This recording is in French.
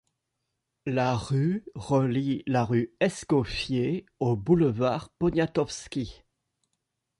La rue relie la rue Escoffier au boulevard Poniatowski.